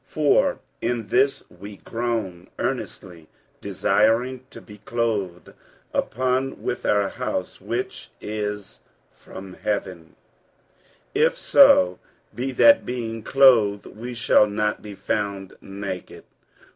47:005:002 For in this we groan, earnestly desiring to be clothed upon with our house which is from heaven: 47:005:003 If so be that being clothed we shall not be found naked.